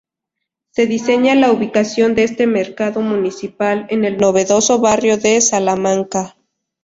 Se diseña la ubicación de este mercado municipal en el novedoso barrio de Salamanca.